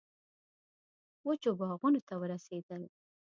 وچو باغونو ته ورسېدل.